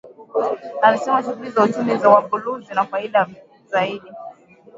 Alisema shughuli za uchumi wa buluu zina faida zaidi